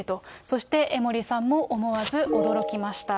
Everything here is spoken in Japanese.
そして江森さんも思わず驚きました。